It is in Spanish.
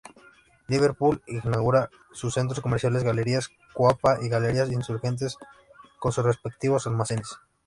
Liverpool inaugura sus Centros Comerciales Galerías Coapa y Galerías Insurgentes con sus respectivos almacenes.